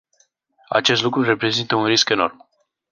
Acest lucru reprezintă un risc enorm.